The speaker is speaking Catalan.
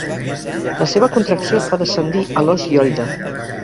La seva contracció fa descendir a l'os hioide.